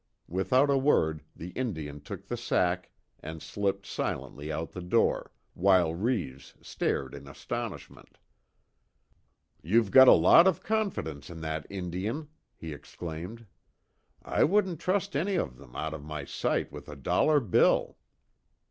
Without a word the Indian took the sack and slipped silently out the door, while Reeves stared in astonishment: "You've got a lot of confidence in that Indian!" he exclaimed. "I wouldn't trust one of them out of my sight with a dollar bill!"